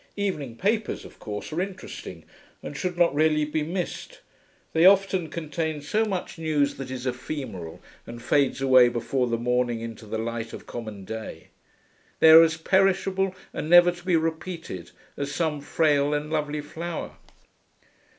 Evening papers, of course, are interesting, and should not really be missed; they often contain so much news that is ephemeral and fades away before the morning into the light of common day; they are as perishable and never to be repeated as some frail and lovely flower.